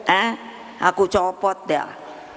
eh aku copot deh